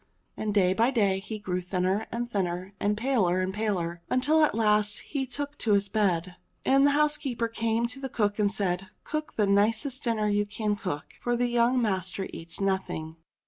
And day by day he grew thinner and thinner, and paler and paler, until at last he took to his bed. And the housekeeper came to the cook and said, "Cook the nicest dinner you can cook, for young master eats nothing."